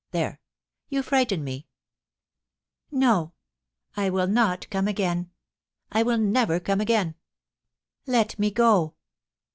There !— you frighten me ! No, I will not come again — I will never come again. Let me go